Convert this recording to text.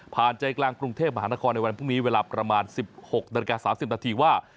ใจกลางกรุงเทพมหานครในวันพรุ่งนี้เวลาประมาณ๑๖นาฬิกา๓๐นาทีว่า